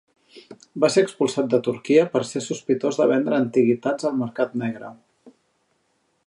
Va ser expulsat de Turquia per ser sospitós de vendre antiguitats al mercat negre.